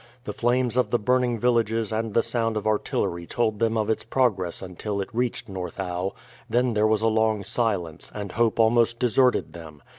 The flames of the burning villages and the sound of artillery told them of its progress until it reached North Aa, then there was a long silence, and hope almost deserted them.